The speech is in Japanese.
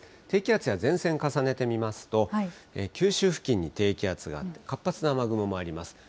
低気圧や前線重ねてみますと、九州付近に低気圧があって、活発な雨雲もあります。